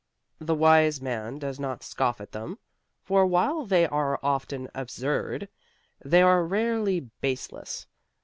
The wise man does not scoff at them, for while they are often absurd, they are rarely baseless.